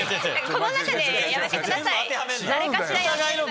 「この中で」はやめてください！